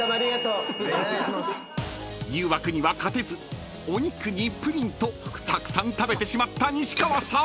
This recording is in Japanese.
［誘惑には勝てずお肉にプリンとたくさん食べてしまった西川さん］